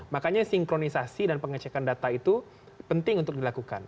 makanya sinkronisasi dan pengecekan data itu penting untuk dilakukan